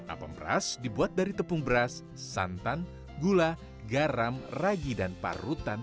apem beras dibuat dari tepung beras santan gula garam ragi dan parutan